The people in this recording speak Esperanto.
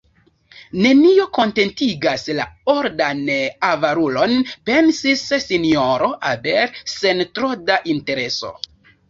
Nenio kontentigas la oldan avarulon, pensis Sinjoro Abel sen tro da intereso.